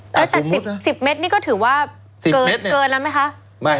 แต่๑๐เมตรนี่ก็ถือว่าเกินแล้วไหมคะ